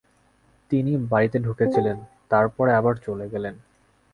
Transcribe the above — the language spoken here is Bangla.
তিনি বাড়িতে ঢুকেছিলেন, তার পরে আবার চলে গেলেন।